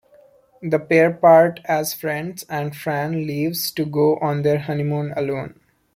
The pair part as friends and Fran leaves to go on their honeymoon alone.